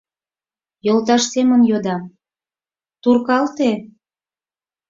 Йолташ семын йодам: туркалте!